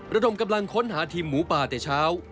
ระดมกำลังค้นหาทีมหมูป่าแต่เช้า